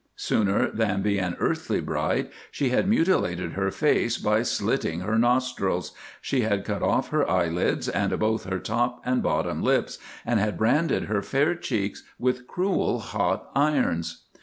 Sooner than be an earthly bride she had mutilated her face by slitting her nostrils; she had cut off her eyelids and both her top and bottom lips, and had branded her fair cheeks with cruel hot irons.